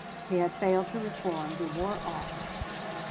He had failed to reform the War Office.